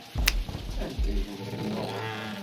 Anda ay tent-tennuɣeḍ?